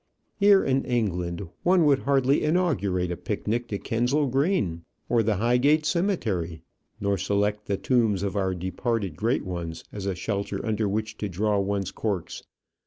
Here, in England, one would hardly inaugurate a picnic to Kensal Green, or the Highgate Cemetery, nor select the tombs of our departed great ones as a shelter under which to draw one's corks.